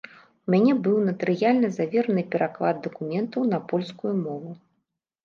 У мяне быў натарыяльна завераны пераклад дакументаў на польскую мову.